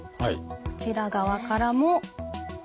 こちら側からも同じ。